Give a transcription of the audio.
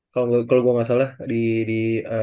kalau gue gak salah di